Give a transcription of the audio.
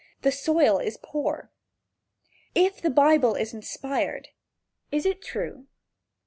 The soil is poor. If the Bible is inspired, is it true?